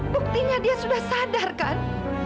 buktinya dia sudah sadarkan